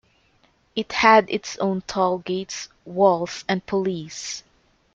It had its own tollgates, walls and police.